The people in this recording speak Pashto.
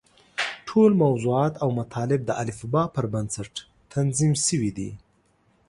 ټول موضوعات او مطالب د الفباء پر بنسټ تنظیم شوي دي.